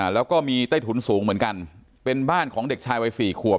แล้วก็มีใต้ถุนสูงเหมือนกันเป็นบ้านของเด็กชายวัย๔ขวบ